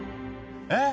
えっ！